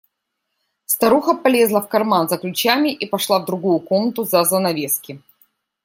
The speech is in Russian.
Старуха полезла в карман за ключами и пошла в другую комнату за занавески.